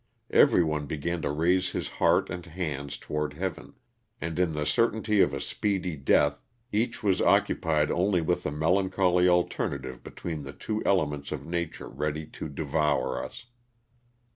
Every one began to raise his heart and h^^ds toward heaven ; and in the certainty of a speedy death each was occupied only with the melancholy alterna tive between the two elements of nature ready to devour us.